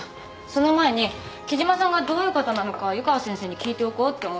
その前に木島さんがどういう方なのか湯川先生に聞いておこうって思って。